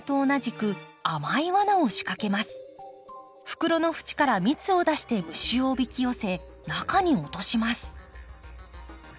袋の縁から蜜を出して虫をおびき寄せ中に落とします。